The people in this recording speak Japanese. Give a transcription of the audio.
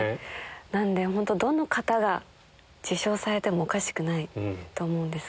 なのでホントどの方が受賞されてもおかしくないと思うんですが。